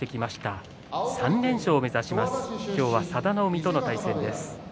今日は佐田の海との対戦です。